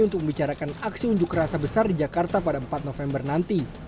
untuk membicarakan aksi unjuk rasa besar di jakarta pada empat november nanti